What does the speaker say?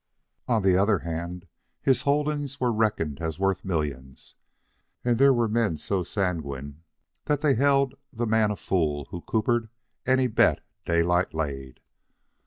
On the other hand, his holdings were reckoned as worth millions, and there were men so sanguine that they held the man a fool who coppered any bet Daylight laid.